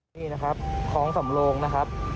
นี่นะครับท้องสำโลงนะครับ